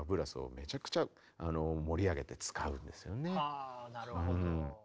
はあなるほど。